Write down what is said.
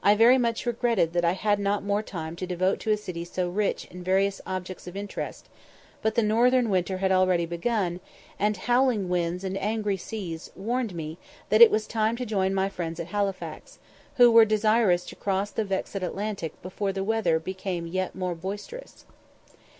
I very much regretted that I had not more time to devote to a city so rich in various objects of interest; but the northern winter had already begun, and howling winds and angry seas warned me that it was time to join my friends at Halifax, who were desirous to cross the "vexed Atlantic" before the weather became yet more boisterous.